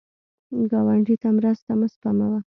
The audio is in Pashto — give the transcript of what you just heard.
ګاونډي ته مرسته مه سپموه